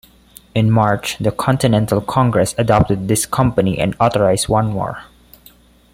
In March the Continental Congress adopted this company and authorized one more.